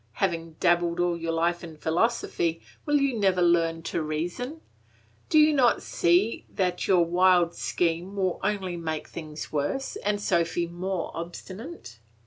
Having dabbled all your life in philosophy, will you never learn to reason? Do not you see that your wild scheme would only make things worse, and Sophy more obstinate?